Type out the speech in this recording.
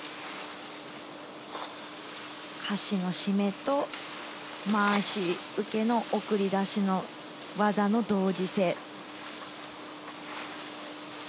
下肢の締めと回し受けの送り出しの技の同時性。